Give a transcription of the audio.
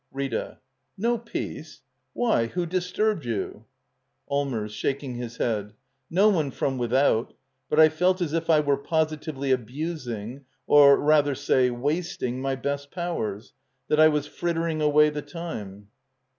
RriA. No peace? Why, who disturbed you? Allmbrs. [Shaking his head.] No one from without. But I felt as if I were positively abusing — or rather say, wasting — my best powers — that I was frittering away the time.